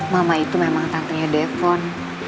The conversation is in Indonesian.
mama itu memang tantenya defon